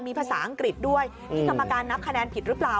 มีภาษาอังกฤษด้วยนี่กรรมการนับคะแนนผิดหรือเปล่า